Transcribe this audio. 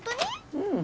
うん。